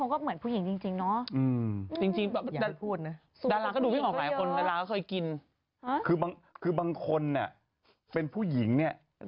ต้องมีสองคนเหรอชาเลนส์อะไร